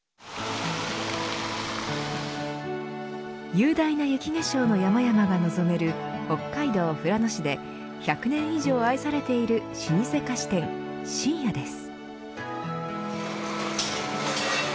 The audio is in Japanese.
雄大な雪化粧の山々が望める北海道富良野市で１００年以上愛されている老舗菓子店新谷です。